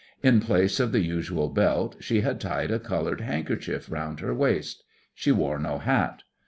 In place of the usual belt she had tied a coloured handkerchief round her waist. She wore no hat.